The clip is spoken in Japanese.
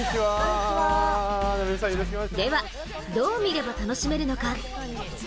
では、どう見れば楽しめるのか。